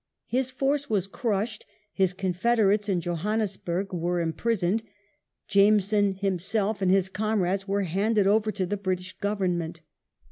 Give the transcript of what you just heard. His force was crushed ; his confederates in Johannesburg were imprisoned ; Jameson himself and his comrades were handed over to the British Government.